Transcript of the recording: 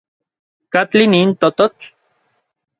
¿Katli nin tototl?